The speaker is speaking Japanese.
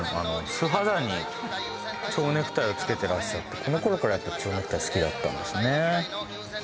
素肌に蝶ネクタイを着けてらっしゃってこの頃から蝶ネクタイ好きだったんですね